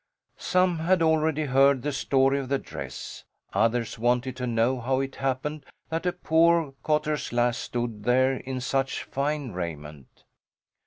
Some had already heard the story of the dress. Others wanted to know how it happened that a poor cotter's lass stood there in such fine raiment.